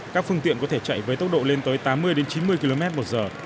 các phương tiện có thể chạy với tốc độ lên tới tám mươi chín mươi km một giờ